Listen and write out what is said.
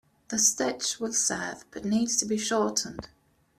The stitch will serve but needs to be shortened.